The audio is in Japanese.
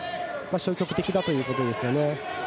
消極的だということですよね。